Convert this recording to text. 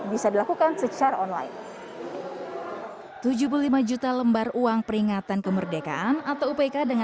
bisa dilakukan secara online tujuh puluh lima juta lembar uang peringatan kemerdekaan atau upk dengan